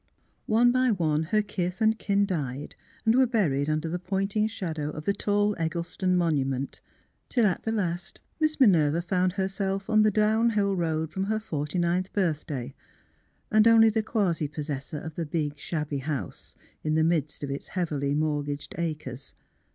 One by one her kith and kin died and were buried under the pointing shadow of the tall Eggleston monu 46 THE CLOSED DOOR 47 ment ; till at the last Miss Minerva found Herself on the downhill road from her forty ninth birth day and only the quasi possessor of the big shabby house, in the midst of its heavily mortgaged acres.